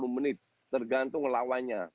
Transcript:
menit tergantung lawannya